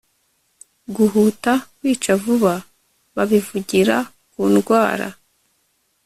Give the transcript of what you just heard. guhuta kwica vuba. babivugira ku ndwara